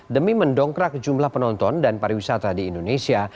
demi mendongkrak jumlah penonton dan pariwisata di indonesia